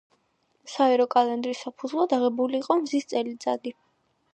საერო კალენდრის საფუძვლად აღებული იყო მზის წელიწადი.